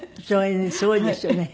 すごいですよね。